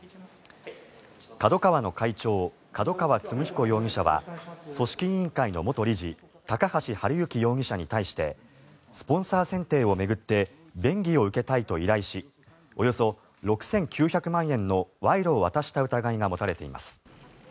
ＫＡＤＯＫＡＷＡの会長角川歴彦容疑者は組織委員会の元理事高橋治之容疑者に対してスポンサー選定を巡って便宜を受けたいと依頼しおよそ６９００万円の賄賂を渡した疑いが持たれています。